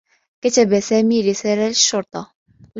كتب سامي رسالة للشّرطة.